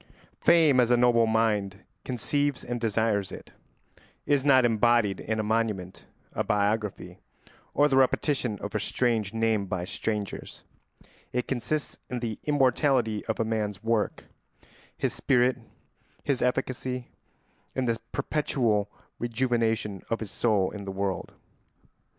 ] Fame, as a noble mind conceives and desires it, is not embodied in a monument, a biography, or the repetition of a strange name by strangers; it consists in the immortality of a man's work, his spirit, his efficacy, in the perpetual rejuvenation of his soul in the world.